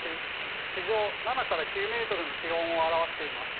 地上７９ｍの気温を表しています。